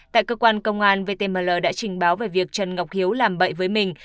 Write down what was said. tại cơ quan công an vtml đã trình báo về việc trần ngọc hiếu làm bậy với mình